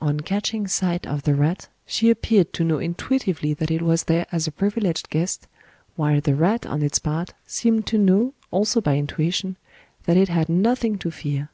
On catching sight of the rat, she appeared to know intuitively that it was there as a privileged guest, while the rat on its part seemed to know, also by intuition, that it had nothing to fear.